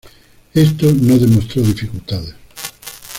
Esto no demostró dificultades.